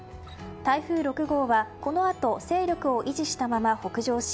台風６号はこのあと勢力を維持したまま北上し